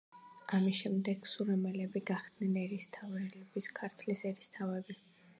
ამის შემდეგ სურამელები გახდნენ ერისთავთერისთავები, ქართლის ერისთავები.